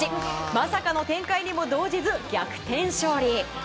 まさかの展開にも動じず逆転勝利。